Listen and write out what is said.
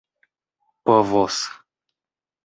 povos